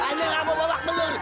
ayo ngamuk gamuk pelur